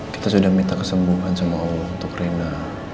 kita sudah minta kesembuhan sama allah untuk rina